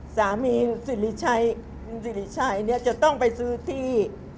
สามีสิริชัยจะต้องไปซื้อที่